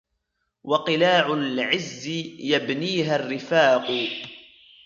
و قلاع العز يبنيها الرفاق